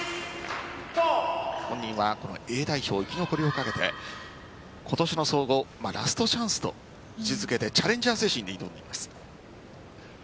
本人はＡ代表生き残りをかけて今年の総合をラストチャンスと位置付けてチャレンジャー精神で挑んでいます。